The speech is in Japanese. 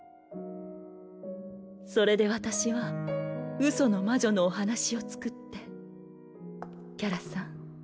それで私はうその魔女のお話を作ってキャラさん